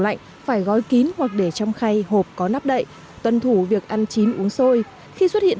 lạnh phải gói kín hoặc để trong khay hộp có nắp đậy tuân thủ việc ăn chín uống sôi khi xuất hiện